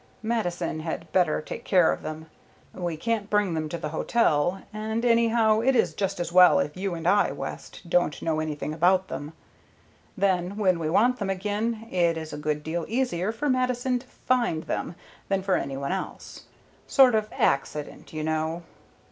"Mattison had better take care of them. We can't bring them to the hotel, and anyhow, it is just as well if you and I, West, don't know anything about them. Then, when we want them again, it is a good deal easier for Mattison to find them than for any one else. Sort of accident, you know."